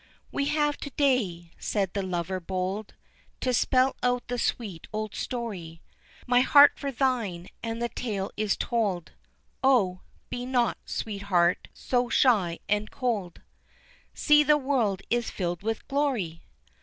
"We have to day," said the lover bold, "To spell out the sweet old story, My heart for thine, and the tale is told O, be not, sweetheart, so shy and cold, See, the world is filled with glory!"